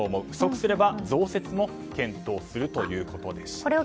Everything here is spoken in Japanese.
不足すれば増設も検討するということでした。